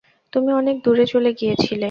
তুমি অনেক দূরে চলে গিয়েছিলে।